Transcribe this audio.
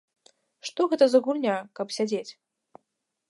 Што гэта за гульня, каб сядзець?